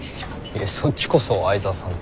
いやそっちこそ相澤さんって。